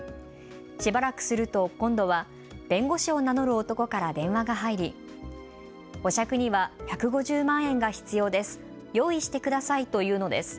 しばらくすると今度は弁護士を名乗る男から電話が入り保釈には１５０万円が必要です。